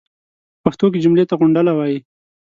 پۀ پښتو کې جملې ته غونډله وایي.